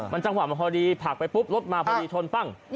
มันจังหวะมันพอดีผลักไปปุ๊บรถมาพอดีชนปั้ง